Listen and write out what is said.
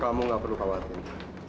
kamu nggak perlu khawatir